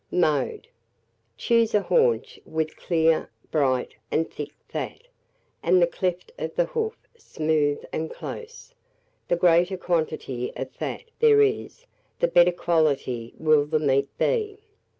Mode. Choose a haunch with clear, bright, and thick fat, and the cleft of the hoof smooth and close; the greater quantity of fat there is, the better quality will the meat be.